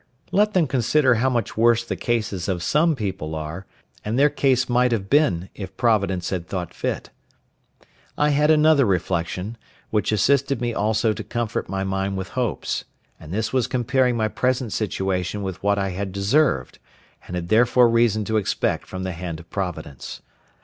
Let them consider how much worse the cases of some people are, and their case might have been, if Providence had thought fit. I had another reflection, which assisted me also to comfort my mind with hopes; and this was comparing my present situation with what I had deserved, and had therefore reason to expect from the hand of Providence.